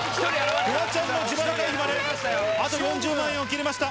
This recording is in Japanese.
フワちゃんの自腹回避まであと４０万円を切りました。